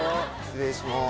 失礼します。